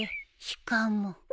しかも